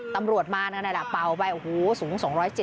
ตำรวจมานั่นแหละเป่าไปโอ้โหสูง๒๗๐